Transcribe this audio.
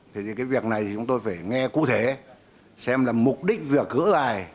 thế thì cái việc này thì chúng tôi phải nghe cụ thể xem là mục đích việc gỡ gài